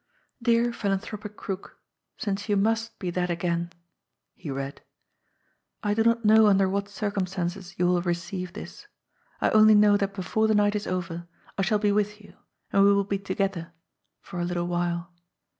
"Dear Philanthropic Crook since you must be that again," he read. "I do not know under what circumstances you will receive this. I only know that before the night is over I shall be with you, and we will be together for a little while.